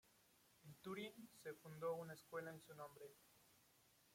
En Turín, se fundó una escuela en su nombre.